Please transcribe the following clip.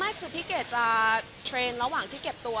ไม่คือพี่เกดจะเทรนด์ระหว่างที่เก็บตัว